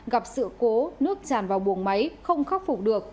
gặp sự cố nước tràn vào buồng máy không khắc phục được